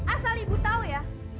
asal ibu tau ya